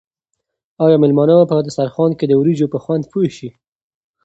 آیا مېلمانه به په دسترخوان کې د وریجو په خوند پوه شي؟